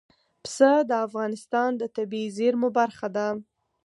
پسه د افغانستان د طبیعي زیرمو برخه ده.